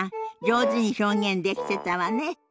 上手に表現できてたわね。